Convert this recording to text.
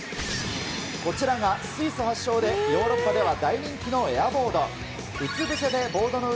こちらがスイス発祥で、ヨーロッパでは大人気のエアボード。